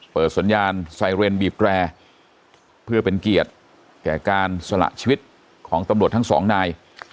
เปิดสัญญาณไซเรนบีบแรร์เพื่อเป็นเกียรติแก่การสละชีวิตของตำรวจทั้งสองนาย